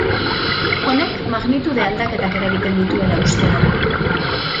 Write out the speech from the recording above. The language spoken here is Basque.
Honek magnitude aldaketak eragiten dituela uste da.